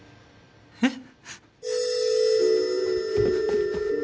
えっ？